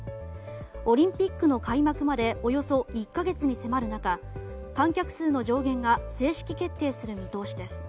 オリンピックの開幕までおよそ１か月に迫る中観客数の上限が正式決定する見通しです。